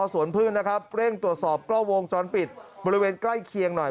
สวนพึ่งนะครับเร่งตรวจสอบกล้องวงจรปิดบริเวณใกล้เคียงหน่อย